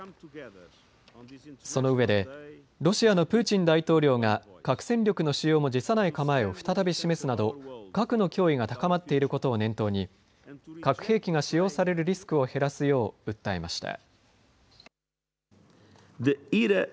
そのうえでロシアのプーチン大統領が核戦力の使用も辞さない構えを再び示すなど核の脅威が高まっていることを念頭に核兵器が使用されるリスクを減らすよう訴えました。